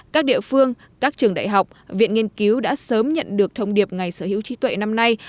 các địa phương các trường đại học viện nghiên cứu đã sớm nhận được thông điệp ngày sở hữu trí tuệ năm nay